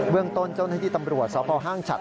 เบื้องต้นเจ้าหน้าที่ตำรวจสอบเอาห้างชัด